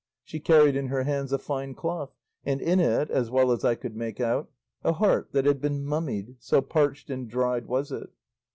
She carried in her hands a fine cloth, and in it, as well as I could make out, a heart that had been mummied, so parched and dried was it.